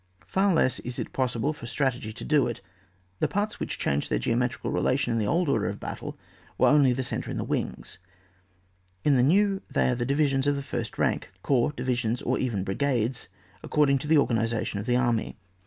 Far less is it possible for stra tegy to do it. The parts which changed their geometrical relation in the old order of battle were only the centre and wings ; in the new they are the divisions of the first rank — corps, divisions, or even brigades, according to the organisa tion of the army.